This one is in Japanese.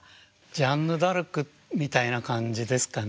ジャンヌ・ダルクみたいな感じですかね。